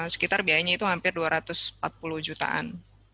sekitar biayanya itu hampir dua ratus empat puluh jutaan